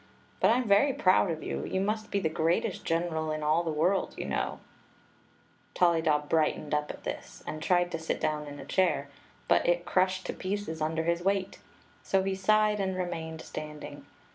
But I 'm very proud of you. You must be the greatest general in all the world, you know !" Tollydob brightened up at this, and tried to sit down in a chair: but it crushed to pieces under his weight ; so he sighed and remained standing.